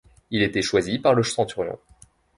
Il était choisi par le centurion.